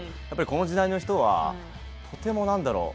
この時代の人はとても何だろう